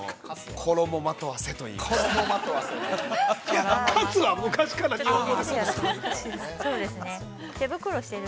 ◆衣まとわせと言いました。